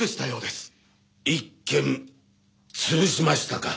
一軒潰しましたか。